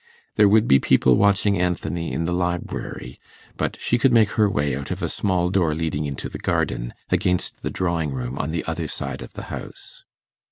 There would be people watching Anthony in the library, but she could make her way out of a small door leading into the garden, against the drawing room on the other side of the house.